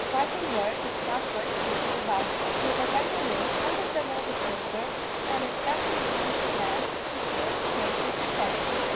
What they were it's not worth spakin' about; but at any rate one of them was a poser, an' as Gusty knew his man, he soon came to his senses.